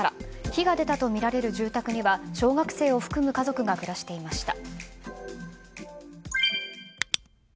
火が出たとみられる住宅には小学生を含む家族が暮らしていました。